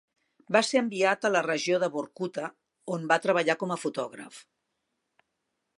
Va ser enviat a la regió de Vorkuta, on va treballar com a fotògraf.